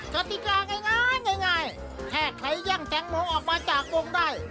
กฎิกาง่ายง่ายง่ายง่ายแค่ใครแย่งแตงโหมออกมาจากวงได้